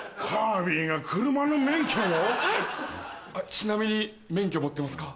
ちなみに免許持ってますか？